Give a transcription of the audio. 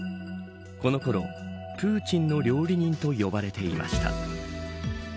この頃プーチンの料理人と呼ばれていました。